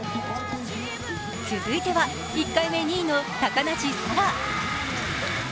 続いては、１回目２位の高梨沙羅。